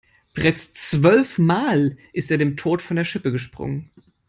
Bereits zwölf Mal ist er dem Tod von der Schippe gesprungen.